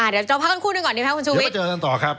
เดี๋ยวเจอกันก่อนหนึ่งก่อนดีไหมครับคุณชุวิตเดี๋ยวมาเจอกันต่อครับ